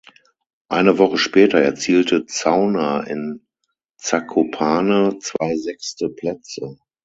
Eine Woche später erzielte Zauner in Zakopane zwei sechste Plätze.